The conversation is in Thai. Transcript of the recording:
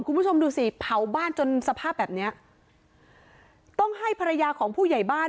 คุณผู้ชมดูสิเผาบ้านจนสภาพแบบเนี้ยต้องให้ภรรยาของผู้ใหญ่บ้าน